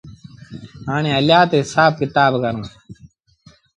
هآڻي هليآ تا هسآب ڪتآب ڪرون